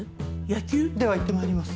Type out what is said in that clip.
野球？ではいってまいります。